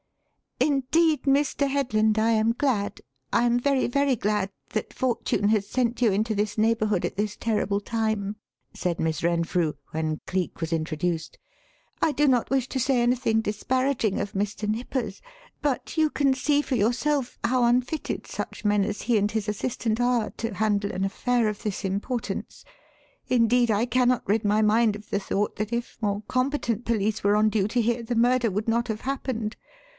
"Indeed, Mr. Headland, I am glad I am very, very glad that fortune has sent you into this neighbourhood at this terrible time," said Miss Renfrew when Cleek was introduced. "I do not wish to say anything disparaging of Mr. Nippers, but you can see for yourself how unfitted such men as he and his assistant are to handle an affair of this importance. Indeed, I cannot rid my mind of the thought that if more competent police were on duty here the murder would not have happened.